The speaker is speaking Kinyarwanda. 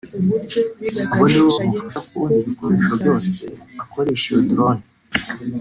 Abo nibo bamufasha kubona ibikoresho byose akoresha iyo “Drone”